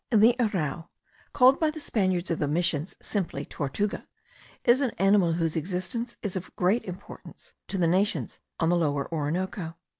The arrau, called by the Spaniards of the Missions simply tortuga, is an animal whose existence is of great importance to the nations on the Lower Orinoco.